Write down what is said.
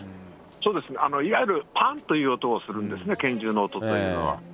そうですね、いわゆるぱんという音がするんですね、拳銃の音というのは。